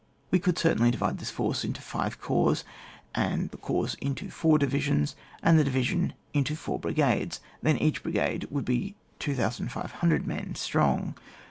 We oouldcertainlydivide this force into five corps, the corps into four divisions, and the division into four brigades, then each brigade would be 2,500 men strong.